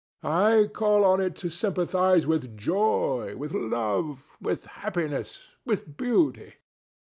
I call on it to sympathize with joy, with love, with happiness, with beauty.